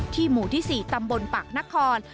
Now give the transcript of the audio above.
ที่หมู่ที่สี่ตำบลปักนคร